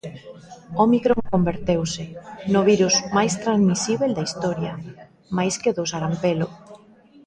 Ómicron converteuse "no virus máis transmisíbel da historia, máis que o do sarampelo".